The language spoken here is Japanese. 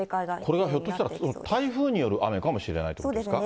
これがひょっとしたら、台風による雨かもしれないということそうですね。